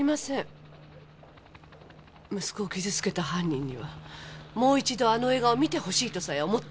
私の息子を傷つけた犯人にはもう一度あの映画を観てほしいとさえ思ってます。